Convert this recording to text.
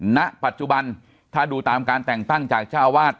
ณปัจจุบันถ้าดูตามการแต่งตั้งจากเจ้าวาด